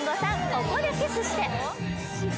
「ここでキスして。」